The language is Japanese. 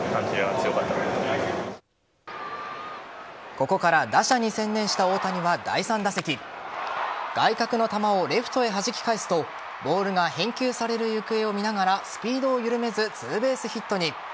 ここから打者に専念した大谷は第３打席外角の球をレフトへはじき返すとボールが返球される行方を見ながらスピードを緩めずツーベースヒットに。